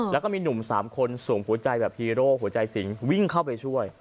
แล้วก็มีหนุ่ม๓คนสวมหัวใจแบบฮีโร่หัวใจสิงวิ่งเข้าไปช่วย